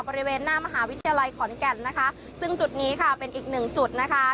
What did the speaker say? บริเวณหน้ามหาวิทยาลัยขอนแก่นนะคะซึ่งจุดนี้ค่ะเป็นอีกหนึ่งจุดนะคะ